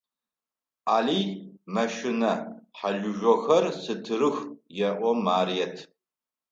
Алый мэщынэ, хьалыжъохэр стырых, – elo Марыет.